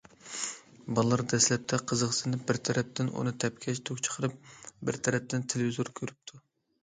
بالىلار دەسلەپتە قىزىقسىنىپ بىر تەرەپتىن ئۇنى تەپكەچ توك چىقىرىپ، بىر تەرەپتىن تېلېۋىزور كۆرۈپتۇ.